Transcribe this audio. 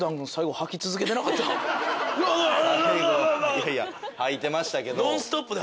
いやいや吐いてましたけど。